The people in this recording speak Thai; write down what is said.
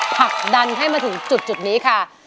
ผลักดันให้มาถึงจุดนี้ค่ะ